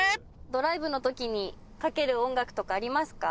ドライブのときにかける音楽とかありますか？